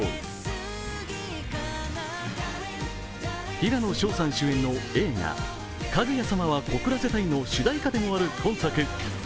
平野紫耀さん主演の映画「かぐや様は告らせたい」の主題歌でもある今作。